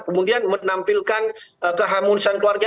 kemudian menampilkan keharmonisan keluarga